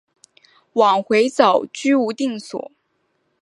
往回走居无定所